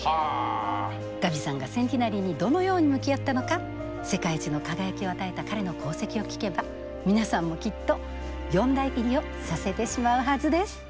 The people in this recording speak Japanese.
ガビさんがセンティナリーにどのように向き合ったのか世界一の輝きを与えた彼の功績を聞けば皆さんもきっと四大入りをさせてしまうはずです。